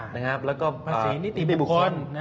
แล้วก็นิติบุคคล